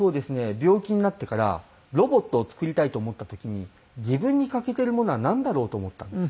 病気になってからロボットを作りたいと思った時に自分に欠けてるものはなんだろう？と思ったんです。